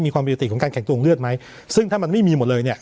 ความปกติของการแข่งตรงเลือดไหมซึ่งถ้ามันไม่มีหมดเลยเนี่ย